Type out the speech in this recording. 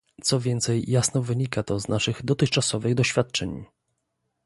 Co więcej jasno wynika to z naszych dotychczasowych doświadczeń